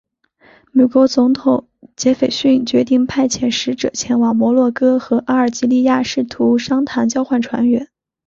美国总统杰斐逊决定派遣使者前往摩洛哥和阿尔及利亚试图商谈交换船员。